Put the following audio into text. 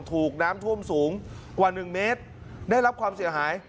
ถูกน้ำท่วมสูงกว่า๑เมตรได้รับความเสียหาย